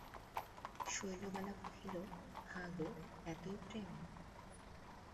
শৈলবালা কহিল, হাঁ গো, এতই প্রেম!